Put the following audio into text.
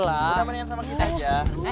udah mending sama kita aja